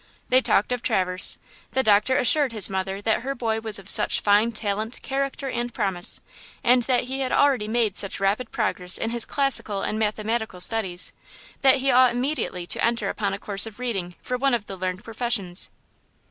They talked of Traverse. The doctor assured his mother that her boy was of such fine talent, character and promise, and that he had already made such rapid progress in his classical and mathematical studies, that he ought immediately to enter upon a course of reading for one of the learned professions.